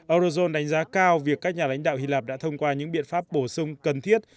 eurozone đánh giá cao việc các nhà lãnh đạo hy lạp đã thông qua những biện pháp bổ sung cần thiết